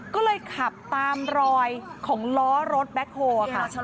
ก็เลยขับตามรอยของล้อรถแบ็คโฮลค่ะ